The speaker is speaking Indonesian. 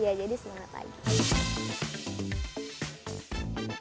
ya jadi semangat lagi